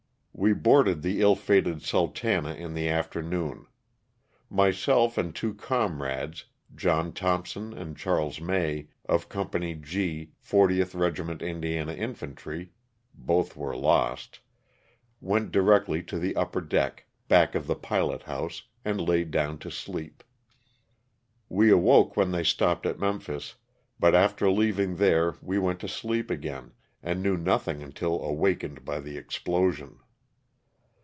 We boarded the illfated '* Sultana" in the afternoon. Myself and two comrades, John Thompson and Chas. May, of Company G, 40th Regiment Indiana Infantry (both were lost), went directly to the upper deck, back of the pilot house, and laid down to sleep. We awoke when they stopped at Memphis, but after leaving there we went to sleep again and knew nothing until awakened by the explosion.